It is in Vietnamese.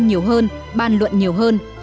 tâm nhiều hơn ban luận nhiều hơn